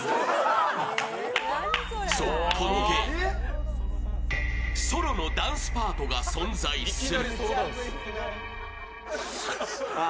そう、このゲーム、ソロのダンスパートが存在する。